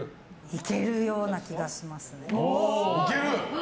いけるような気がしますね。